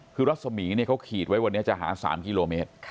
คือรัศมีร์เขาขีดไว้วันนี้จะหา๓กิโลเมตร